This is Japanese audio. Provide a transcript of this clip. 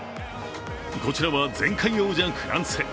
こちらは前回王者・フランス。